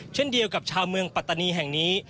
เช่นเดียวกับชาวเมืองปัตตานีแห่งนี้